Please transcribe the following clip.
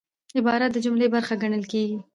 عبارت د جملې برخه ګڼل کېږي.